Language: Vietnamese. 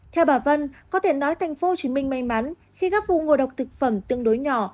theo bà vân có thể nói tp hcm may mắn khi các vụ ngộ độc thực phẩm tương đối nhỏ